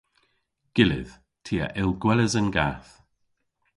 Gyllydh. Ty a yll gweles an gath.